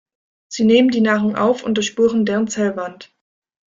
Sie nehmen die Nahrung auf und durchbohren deren Zellwand.